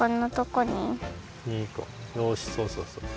２こよしそうそうそう。